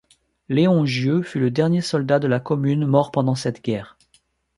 Léon Gieux fut le dernier soldat de la commune mort pendant cette guerre.